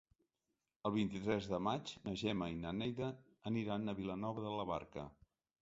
El vint-i-tres de maig na Gemma i na Neida aniran a Vilanova de la Barca.